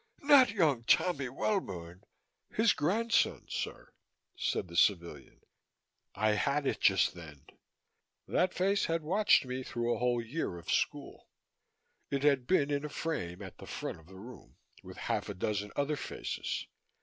Not young Tommy Welbourne!" "His grandson, sir," said the civilian. I had it just then that face had watched me through a whole year of school. It had been in a frame at the front of the room, with half a dozen other faces.